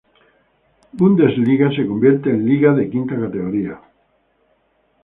Bundesliga se convierte en liga de quinta categoría.